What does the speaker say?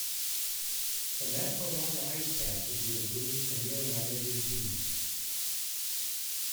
From that point on the IceCats would be the Blues' premier minor league team.